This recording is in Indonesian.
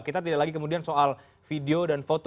kita tidak lagi kemudian soal video dan foto